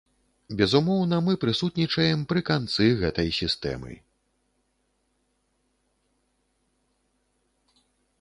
Безумоўна, мы прысутнічаем пры канцы гэтай сістэмы.